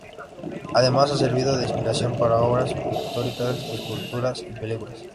Además ha servido de inspiración para obras pictóricas, esculturas y películas.